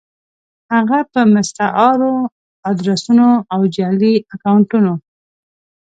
هفه په مستعارو ادرسونو او جعلي اکونټونو